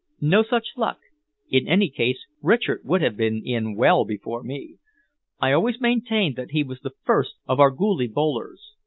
"No such luck. In any case, Richard would have been in well before me. I always maintained that he was the first of our googlie bowlers."